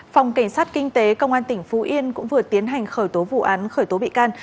phòng cảnh sát kinh tế công an tỉnh phú yên cũng vừa tiến hành khởi tố vụ án khởi tố bị can